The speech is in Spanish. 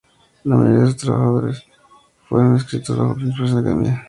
La mayoría de sus trabajos fueron escritos bajo los auspicios de la Academia.